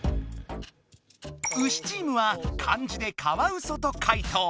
ウシチームは漢字で「獺」と解答。